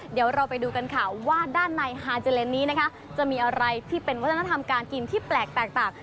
เดี๋ยวเราไปดูกันค่ะว่าด้านในฮาเจเลนนี้นะคะจะมีอะไรที่เป็นวัฒนธรรมการกินที่แปลกแตกต่าง